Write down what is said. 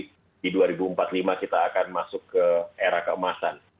di dua ribu empat puluh lima kita akan masuk ke era keemasan